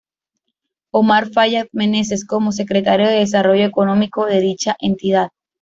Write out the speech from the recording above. Omar Fayad Meneses, como Secretario de Desarrollo Económico de dicha entidad.